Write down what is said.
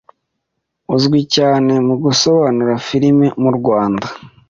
uzwi cyane mu gusobanura Filime mu Rwanda